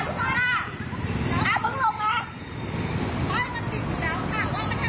เฮ้ยทำไมข้างหน้าถ้ามันจะเข้าไปในข้างในค่ะ